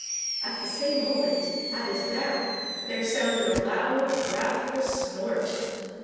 At the same moment, at his back, there sounded a loud, wrathful snort.